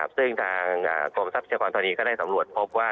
ซึ่งทางกรมทรัพย์เฉพาะธรรมนี้ก็ได้สำรวจพบว่า